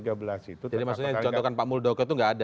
jadi maksudnya contohnya pak muldoko itu nggak ada